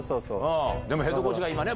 ヘッドコーチが今ね